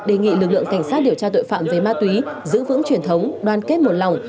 đề nghị lực lượng cảnh sát điều tra tội phạm về ma túy giữ vững truyền thống đoàn kết một lòng